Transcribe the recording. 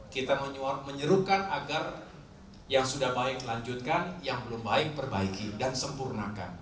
kita menyerukan agar yang sudah baik lanjutkan yang belum baik perbaiki dan sempurnakan